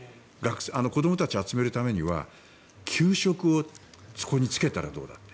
子どもたちを集めるためには給食をそこにつけたらどうだって。